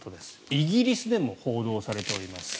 イギリスでも報道されています。